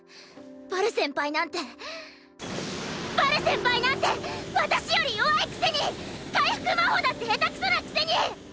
バル先輩なんてバル先輩なんて私より弱いくせに回復魔法だって下手くそなくせに！